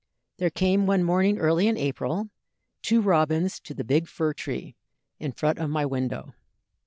There came one morning early in April two robins to the big fir tree in front of my window.